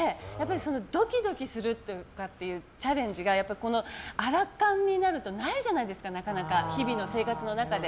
ドキドキするっていうチャレンジがアラ還になるとないじゃないですかなかなか、日々の生活の中で。